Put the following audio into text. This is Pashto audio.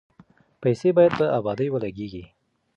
پیسې باید په ابادۍ ولګیږي.